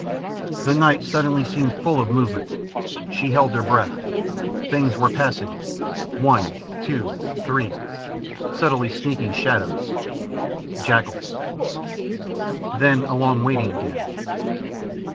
The night suddenly seemed full of movement. She held her breath. Things were passing one, two, three subtly sneaking shadows.... Jackals. Then a long waiting again.